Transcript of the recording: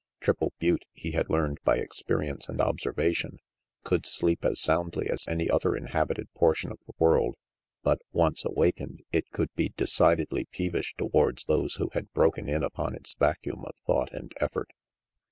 Triple Butte, he had learned by experience and observa tion, could sleep as soundly as any other inhabited portion of the world, but, once awakened, it could be decidedly peevish towards those who had broken in upon its vacuum of thought and effort.